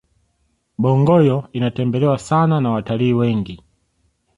bongoyo inatembelewa sana na watalii wengi